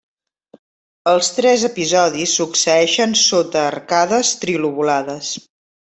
Els tres episodis succeeixen sota arcades trilobulades.